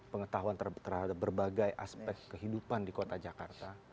pengetahuan terhadap berbagai aspek kehidupan di kota jakarta